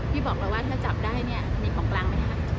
บอกเราว่าถ้าจับได้เนี่ยมีของกลางไหมคะ